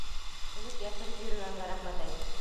Элек йәшереп йөрөгәнгә рәхмәт әйт!